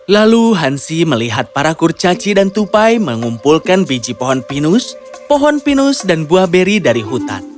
lalu hansi melihat para kurcaci dan tupai mengumpulkan biji pohon pinus pohon pinus dan buah beri dari hutan